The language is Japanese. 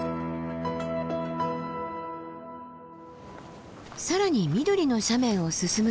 更に緑の斜面を進むと。